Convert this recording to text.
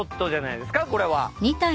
これは。